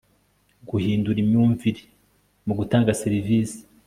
guhindura imyumviri mu gutanga serivisi